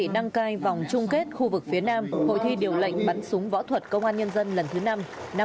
đăng cai vòng chung kết khu vực phía nam hội thi điều lệnh bắn súng võ thuật công an nhân dân lần thứ năm năm hai nghìn hai mươi